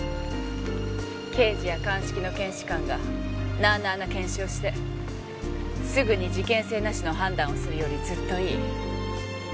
刑事や鑑識の検視官がなあなあな検視をしてすぐに事件性なしの判断をするよりずっといい。